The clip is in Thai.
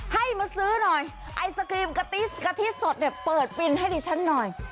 ให้มาซื้อหน่อยไอศครีมกะติ๊สกะทิสดเนี่ยเปิดฟินให้ดิฉันหน่อย